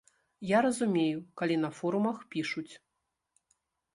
Я разумею, калі на форумах пішуць.